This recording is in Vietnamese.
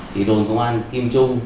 thì đồn công an kim trung